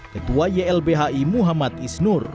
ketua ylbhi muhammad isnur